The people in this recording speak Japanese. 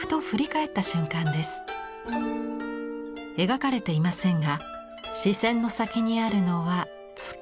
描かれていませんが視線の先にあるのは月。